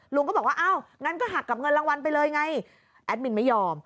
ลุงก็บอกว่าอ้าวงั้นก็หักกับเงินรางวัลไปเลยไงแอดมินไม่ยอม